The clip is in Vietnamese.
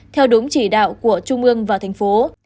theo đúng chỉ đạo của trung ương và thành phố